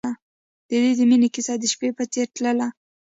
د دوی د مینې کیسه د شپه په څېر تلله.